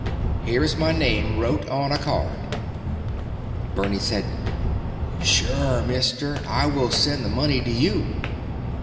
Here is my name wrote on a card." Bernie said, "Sure, mister. I will send the money to you."